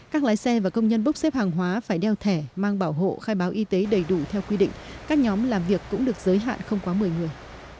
các lái xe và công nhân bốc xếp hàng hóa phải đeo thẻ mang bảo hộ khai báo y tế đầy đủ theo quy định các nhóm làm việc cũng được giới hạn không quá một mươi người